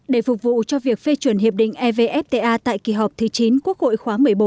để phục vụ cho việc phê chuẩn hiệp định evfta tại kỳ họp thứ chín quốc hội khóa một mươi bốn